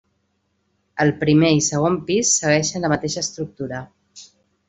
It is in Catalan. El primer i segon pis segueixen la mateixa estructura.